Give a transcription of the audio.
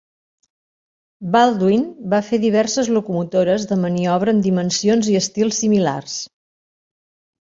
Baldwin va fer diverses locomotores de maniobra amb dimensions i estils similars.